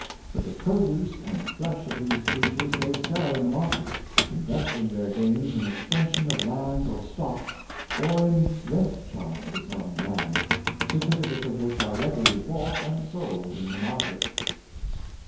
But the produce and flesh of these creatures they sell in the market, investing their gains in extension of land or stock, or in ' rent charges ' on land, certificates of which are readily bought and sold in the market.""